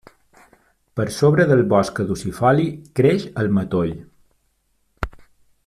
Per sobre del bosc caducifoli creix el matoll.